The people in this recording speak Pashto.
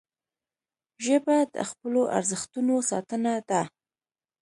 ژبه د خپلو ارزښتونو ساتنه ده